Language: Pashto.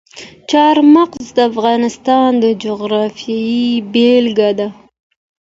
چار مغز د افغانستان د جغرافیې بېلګه ده.